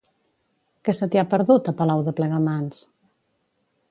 Què se t'hi ha perdut, a Palau de Plegamans?